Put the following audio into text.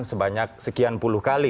sebanyak sekian puluh hari